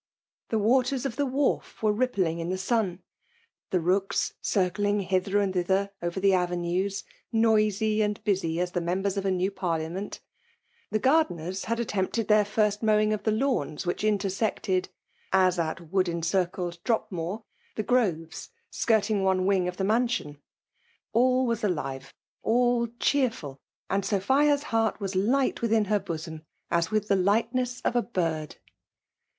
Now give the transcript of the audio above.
The waters of the Wharfe were rippling in the sun ; (he roois • circling hither and thither over the avenues, noisy and busy as the members of a new par liament ; the gardeners had attempted tlieir •first mowing of the lawns which intersected (as at wood encircled Dropmore) the groves, slcirting one wing of the mansion; all was * alive — all cheerful — and Sophia's heart was fight within her bosom, as with the lightneis of a bird.